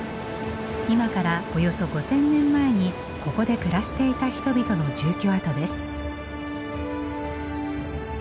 今からおよそ５，０００年前にここで暮らしていた人々の住居跡です。